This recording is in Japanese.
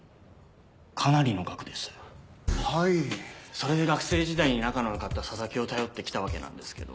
それで学生時代に仲の良かった佐々木を頼って来たわけなんですけど。